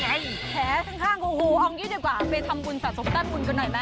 แขกข้างของกิ๊ดกว่าไปทำกุญสรรค์สบายกุญกันหน่อยนะ